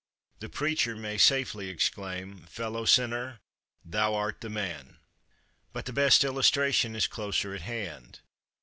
the preacher may safely exclaim, "Fellow sinner, thou art the man." But the best illustration is closer at hand.